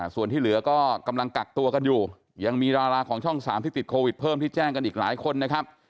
ส่วนที่เหลือก็กำลังกักตัวกันอยู่ยังมีดาราของช่อง๓ที่ติดโควิดเพิ่มที่แจ้งกันอีกหลายคนนะครับ